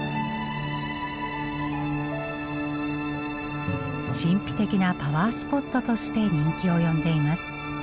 神秘的なパワースポットとして人気を呼んでいます。